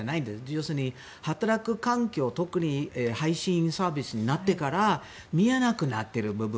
要するに、働く環境特に配信サービスになってから見えなくなっている部分。